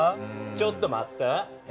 ちょっと待って！